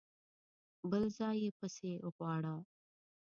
بل ځای يې پسې غواړه!